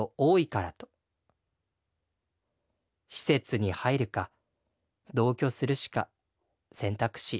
施設に入るか同居するしか選択肢ありません」。